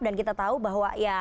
dan kita tahu bahwa ya